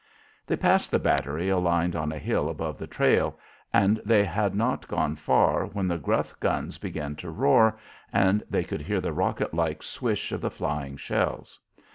They passed the battery aligned on a hill above the trail, and they had not gone far when the gruff guns began to roar and they could hear the rocket like swish of the flying shells.